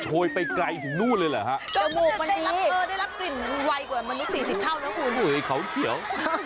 เฮ้ยเขาเขียว